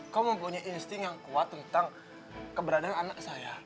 kamu mempunyai insting yang kuat tentang keberadaan anak saya